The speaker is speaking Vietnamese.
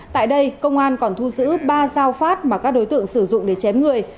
tại đây công an còn thu giữ ba dao phát mà các đối tượng sử dụng để chém người